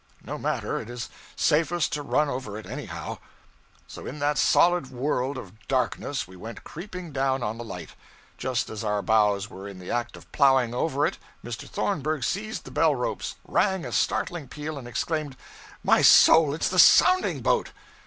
No matter, it is safest to run over it anyhow.' So, in that solid world of darkness we went creeping down on the light. Just as our bows were in the act of plowing over it, Mr. Thornburg seized the bell ropes, rang a startling peal, and exclaimed 'My soul, it's the sounding boat!'